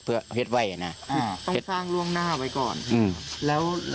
อ๋อเป็นเมละคะ